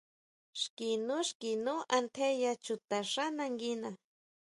Xki nú, xki nú antjeya chutaxá nanguina.